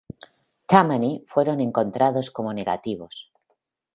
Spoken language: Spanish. Tammany fueron encontrados como negativos.